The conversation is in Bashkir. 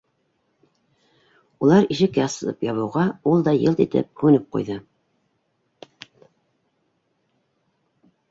Улар ишек асып ябыуға, ул да йылт итеп һүнеп ҡуйҙы.